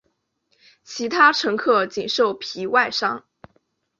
其他乘客仅受皮外伤。